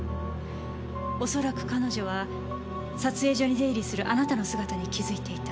おそらく彼女は撮影所に出入りするあなたの姿に気づいていた。